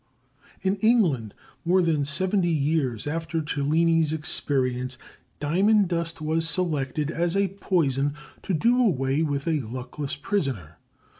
In England, more than seventy years after Cellini's experience, diamond dust was selected as a poison to do away with a luckless prisoner.